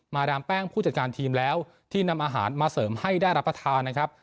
ดามแป้งผู้จัดการทีมแล้วที่นำอาหารมาเสริมให้ได้รับประทานนะครับ